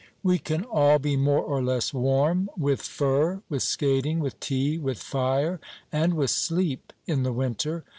We can all be more or less warm with fur, with skating, with tea, with fire, and with sleep in the winter.